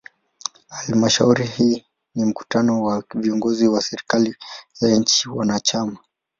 Halmashauri hii ni mkutano wa viongozi wa serikali za nchi wanachama.